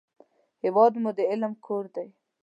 هېواد مو د علم کور دی